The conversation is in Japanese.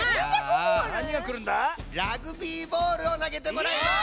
ラグビーボールをなげてもらいます！